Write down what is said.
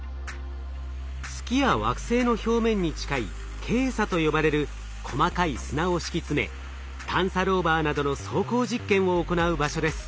月や惑星の表面に近いケイ砂と呼ばれる細かい砂を敷き詰め探査ローバーなどの走行実験を行う場所です。